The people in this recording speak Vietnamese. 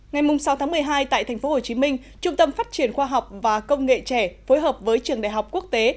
ngày sáu tháng một mươi hai tại tp hcm trung tâm phát triển khoa học và công nghệ trẻ phối hợp với trường đại học quốc tế